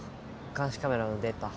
監視カメラのデータ